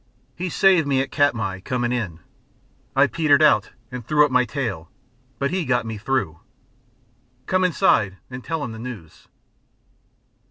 He saved me at Katmai, coming in. I petered out and threw up my tail, but he got me through. Come inside and tell him the news."